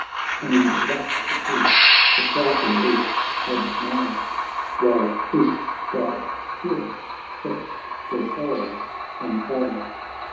And thus the Chief — the shouting Greeks admire. While truth's bright spirit sets their souls on fire.